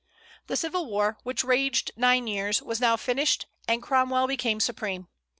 The civil war, which raged nine years, was now finished, and Cromwell became supreme.